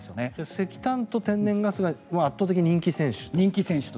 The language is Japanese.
石炭と天然ガスは圧倒的人気選手と。